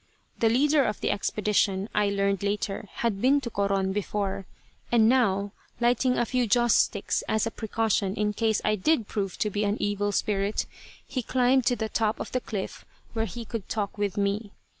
The leader of the expedition, I learned later, had been to Coron before, and now, lighting a few joss sticks as a precaution, in case I did prove to be an evil spirit, he climbed to the top of the cliff where he could talk with me.